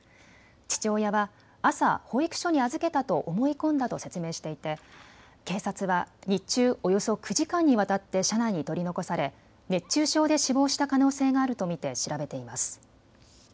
父親は朝、保育所に預けたと思い込んだと説明していて警察は日中およそ９時間にわたって車内に取り残され熱中症で死亡した可能性があると見て調べています。